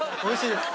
おいしい！